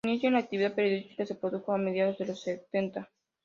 Su inicio en la actividad periodística se produjo a mediados de los setenta.